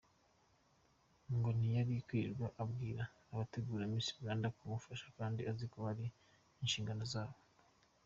Ngo ntiyari kwirirwa abwira abategura Miss Rwanda kumufasha kandi aziko ari inshingano z’abo.